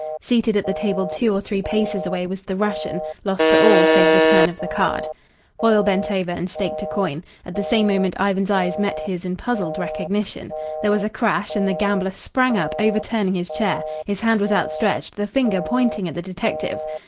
Seated at the table two or three paces away was the Russian, lost to all save the turn of the card. Foyle bent over and staked a coin. At the same moment Ivan's eyes met his in puzzled recognition. There was a crash and the gambler sprang up, overturning the chair. His hand was outstretched, the finger pointing at the detective.